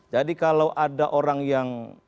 jadi kalau ada orang yang